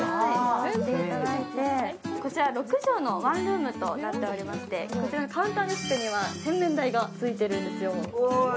こちら６畳のワンルームとなっておりまして、こちらのカウンターデスクには洗面台がついているんです。